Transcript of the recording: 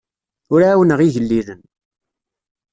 Ur ɛawneɣ igellilen.